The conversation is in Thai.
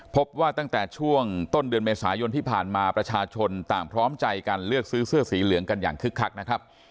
พบว่าตั้งแต่ช่วงต้นเดือนเมษายนที่ผ่านมาประชาชนต่างพร้อมใจกันเลือกซื้อเสื้อสีเหลืองกันอย่างคึกคักนะครับ